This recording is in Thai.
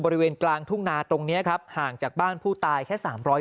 บริเวณกลางทุ่งนาตรงนี้ครับห่างจากบ้านผู้ตายแค่๓๐๐